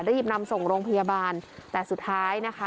รีบนำส่งโรงพยาบาลแต่สุดท้ายนะคะ